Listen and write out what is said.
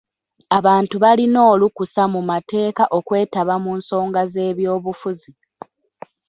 Abantu balina olukusa mu mateeka okwetaba mu nsonga z'ebyobufuzi.